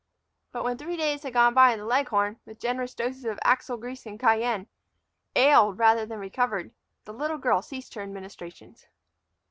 But when three days had gone by and the leghorn, with generous doses of axle grease and cayenne, ailed rather than recovered, the little girl ceased her administrations.